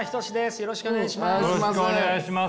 よろしくお願いします。